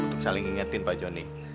untuk saling ingatin pak jonny